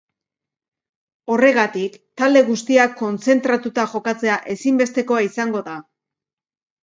Horregatik, talde guztiak kontzentratuta jokatzea ezinbestekoa izango da.